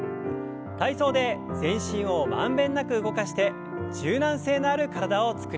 体操で全身を満遍なく動かして柔軟性のある体を作りましょう。